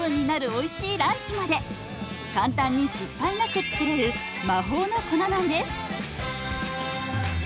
おいしいランチまで簡単に失敗なく作れる魔法の粉なんです。